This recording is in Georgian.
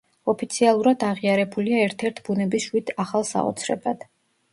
ოფიციალურად აღიარებულია ერთ-ერთ ბუნების შვიდ ახალ საოცრებად.